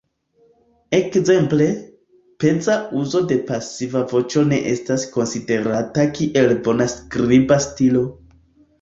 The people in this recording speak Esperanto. Ekzemple, peza uzo de pasiva voĉo ne estas konsiderata kiel bona skriba stilo.